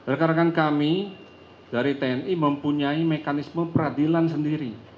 rekan rekan kami dari tni mempunyai mekanisme peradilan sendiri